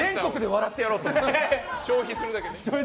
消費するだけ。